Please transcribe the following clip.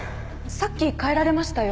さっき帰られましたよ